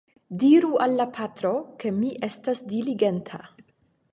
Diru al la patro, ke mi estas diligenta.